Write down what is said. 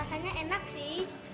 rasanya enak sih